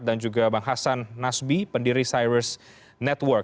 dan juga bang hasan nasbi pendiri cyrus network